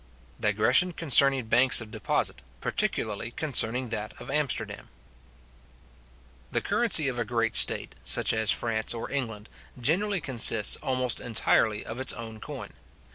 Digression concerning Banks of Deposit, particularly concerning that of Amsterdam. The currency of a great state, such as France or England, generally consists almost entirely of its own coin.